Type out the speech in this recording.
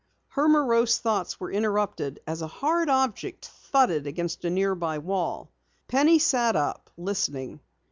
Her morose thoughts were interrupted as a hard object thudded against a nearby wall. Penny sat up, listening.